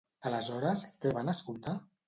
Aleshores, què van escoltar?